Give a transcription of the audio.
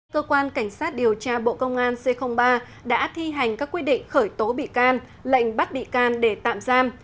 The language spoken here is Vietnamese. cơ quan cảnh sát điều tra bộ công an c ba đã thi hành các quy định khởi tố bị can lệnh bắt bị can để tạm giam